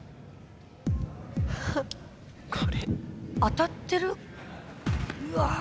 これ当たってる？うわ。